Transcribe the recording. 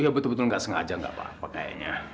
iya betul betul gak sengaja gak apa apa kayaknya